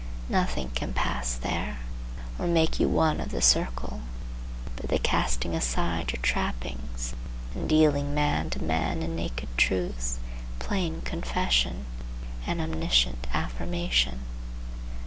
Nothing can pass there, or make you one of the circle, but the casting aside your trappings, and dealing man to man in naked truth, plain confession, and omniscient affirmation.